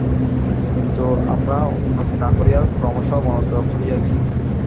কিন্তু আমরা উন্নতি না করিয়া ক্রমশ অবনতই হইয়াছি।